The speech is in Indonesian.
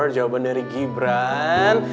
jawaban dari ibran